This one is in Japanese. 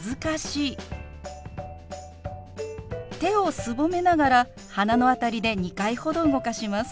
手をすぼめながら鼻の辺りで２回ほど動かします。